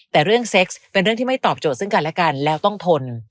แต่เรื่องเซ็กซ์เป็นเรื่องที่ไม่ตอบโจทย์ซึ่งกันและกันแล้วต้องทน